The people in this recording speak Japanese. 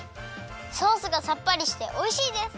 ソースがさっぱりしておいしいです！